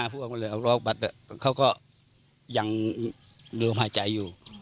อ้าวพูดว่ามันเลยออกออกบัตรเขาก็ยังลืมออกมาใจอยู่